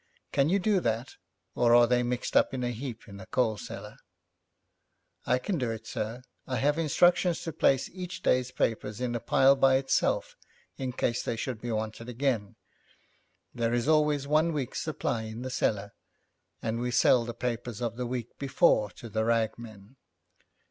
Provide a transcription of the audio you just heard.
Can you do that, or are they mixed up in a heap in the coal cellar?' 'I can do it, sir. I have instructions to place each day's papers in a pile by itself in case they should be wanted again. There is always one week's supply in the cellar, and we sell the papers of the week before to the rag men.'